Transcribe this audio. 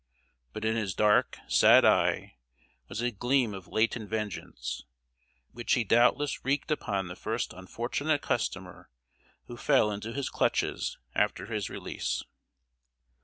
But in his dark, sad eye was a gleam of latent vengeance, which he doubtless wreaked upon the first unfortunate customer who fell into his clutches after his release.